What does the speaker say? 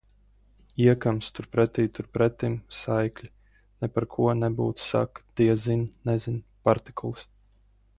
Iekams, turpretī, turpretim - saikļi. Neparko, nebūt, sak, diezin, nezin - partikulas.